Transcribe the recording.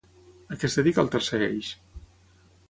A què es dedica el tercer eix?